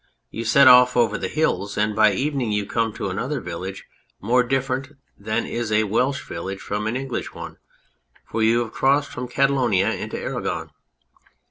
You set off over the hills and by evening you come to another village more differ ent than is a Welsh village from an English one, for you have crossed from Catalonia into Aragon.